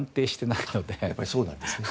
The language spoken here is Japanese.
やっぱりそうなんですね。